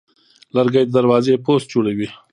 لرګی د دروازې پوست جوړوي.